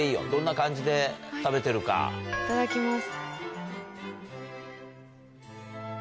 いただきます。